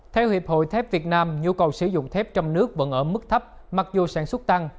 theo hiệp hội thép việt nam nhu cầu sử dụng thép trong nước vẫn ở mức thấp mặc dù sản xuất tăng